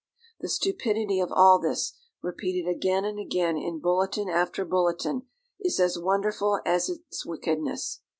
The stupidity of all this, repeated again and again in bulletin after bulletin, is as wonderful as its wickedness.